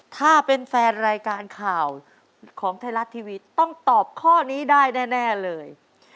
ถ้าเป็นแฟนรายการข่าวของไทยรัฐทีวีต้องตอบข้อนี้ได้แน่เลย